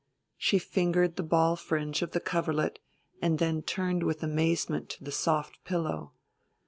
She fingered the ball fringe of the coverlet, and then turned with amazement to the soft pillow.